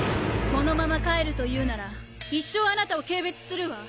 このまま帰るというなら一生あなたを軽べつするわ。